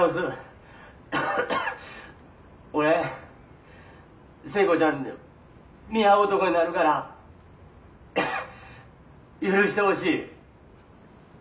俺聖子ちゃんに見合う男になるから許してほしい。